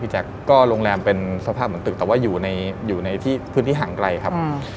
แจ๊คก็โรงแรมเป็นสภาพเหมือนตึกแต่ว่าอยู่ในพื้นที่ห่างไกลครับ